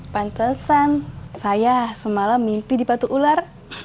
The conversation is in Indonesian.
pantesan saya semalam mimpi di batu ular